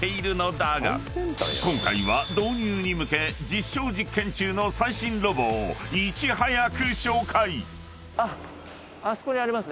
［今回は導入に向け実証実験中の最新ロボをいち早く紹介！］